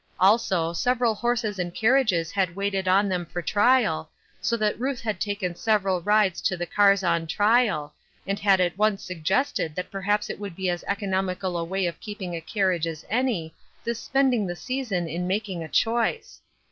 Also, several horses and carriages had waited on them for tij^l, so that Ruth had taken several rides to the cars on trial, and had once suggested that perhaps it would be as economical a way of keeping a carriage as any, this spending the sea son in making a choice.